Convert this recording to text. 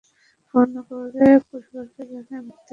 Phone করে পরিবারকে জানায়, মুক্তিপণ পেলে মুক্ত করে দেওয়া হবে বন্দীকে।